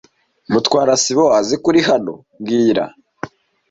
Mutwara sibo azi ko uri hano mbwira